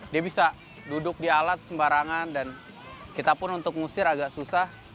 dia bisa duduk di alat sembarangan dan kita pun untuk ngusir agak susah